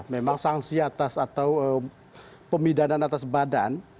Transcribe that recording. memang sanksi atas atau pemidanan atas badan